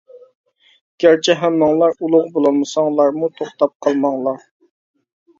گەرچە ھەممىڭلار ئۇلۇغ بولالمىساڭلارمۇ توختاپ قالماڭلار!